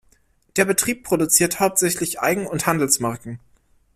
Der Betrieb produziert hauptsächlich Eigen- und Handelsmarken.